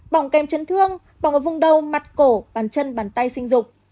bỏng kèm chấn thương bỏng ở vùng đầu mặt cổ bàn chân bàn tay sinh dục